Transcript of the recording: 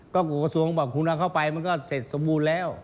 ก็กระทรวงบอกคุณเอาเข้าไปมันก็เสร็จสมบูรณ์แล้ว